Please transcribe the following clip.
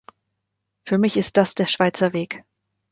Für mich ist das der Schweizer Weg.